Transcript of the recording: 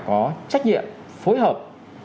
có trách nhiệm phối hợp